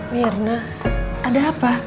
mirna ada apa